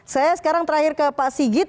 saya sekarang terakhir ke pak sigit